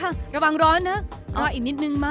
อ่ะเห็นไหม